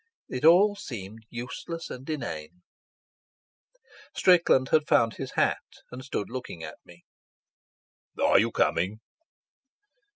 It all seemed useless and inane. Strickland had found his hat, and stood looking at me. "Are you coming?"